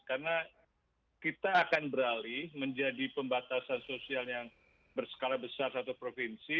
karena kita akan beralih menjadi pembatasan sosial yang berskala besar satu provinsi